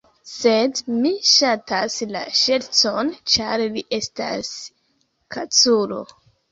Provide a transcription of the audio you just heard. Sed mi ŝatas la ŝercon, ĉar li estas kaculo.